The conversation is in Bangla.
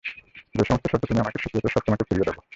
যে সমস্ত শব্দ তুমি আমাকে শিখিয়েছ সব তোমাকে ফিরিয়ে দেবো।